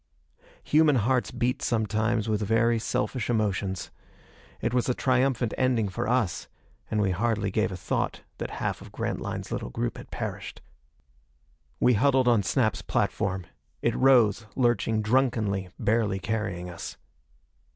Human hearts beat sometimes with very selfish emotions. It was a triumphant ending for us, and we hardly gave a thought that half of Grantline's little group had perished. We huddled on Snap's platform. It rose, lurching drunkenly, barely carrying us.